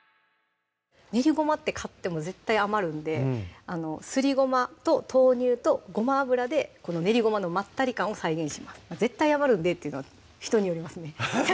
練りごまって買っても絶対余るんですりごまと豆乳とごま油でこの練りごまのまったり感を再現します「絶対余るんで」っていうのは人によりますね